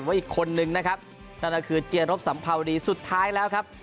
อีกคนนึงนะครับนั่นก็คือเจียรบสัมภาวดีสุดท้ายแล้วครับ